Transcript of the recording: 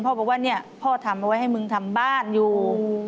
บอกว่าเนี่ยพ่อทำเอาไว้ให้มึงทำบ้านอยู่